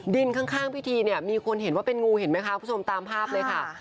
ข้างพิธีเนี่ยมีคนเห็นว่าเป็นงูเห็นไหมคะคุณผู้ชมตามภาพเลยค่ะ